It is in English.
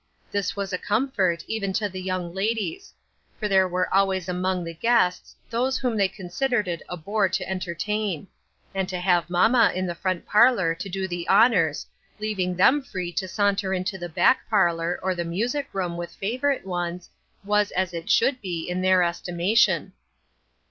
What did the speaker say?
This was a com fort, even to the young ladies ; for there were always among the guests those whom they con sidered it a bore to entertain ; and to have mamma in the front parlor to do the honors, leaving them free to saunter into the back parlor or the music 94 SLIPPERY GROUND. room with favorite ones, was as it should be, in their estimation.